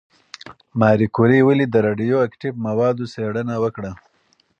ماري کوري ولې د راډیواکټیف موادو څېړنه وکړه؟